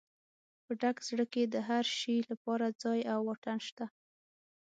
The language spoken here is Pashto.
په ډک زړه کې د هر شي لپاره ځای او واټن شته.